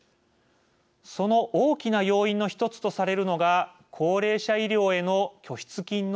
その大きな要因の一つとされるのが高齢者医療への拠出金の増加です。